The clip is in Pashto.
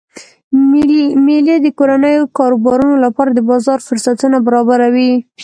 میلې د کورنیو کاروبارونو لپاره د بازار فرصتونه برابروي.